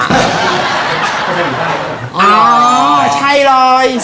เขาไม่เห็นสินไส้เลย